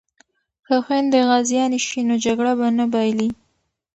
که خویندې غازیانې شي نو جګړه به نه بایلي.